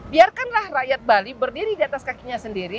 biarkanlah rakyat bali berdiri di atas kakinya sendiri